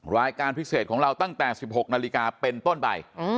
รายการพิเศษของเราตั้งแต่๑๖นาฬิกาเป็นต้นไป